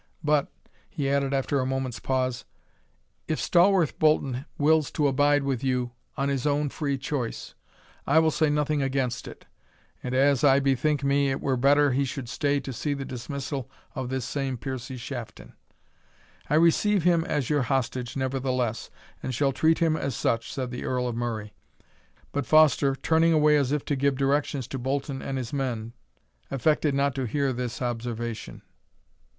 But," he added, after a moment's pause, "if Stawarth Bolton wills to abide with you on his own free choice, I will say nothing against it; and, as I bethink me, it were better he should stay to see the dismissal of this same Piercie Shafton." "I receive him as your hostage, nevertheless, and shall treat him as such," said the Earl of Murray. But Foster, turning away as if to give directions to Bolton and his men, affected not to hear this observation.